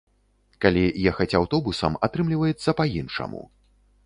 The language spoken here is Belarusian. Калі ехаць аўтобусам, атрымліваецца па-іншаму.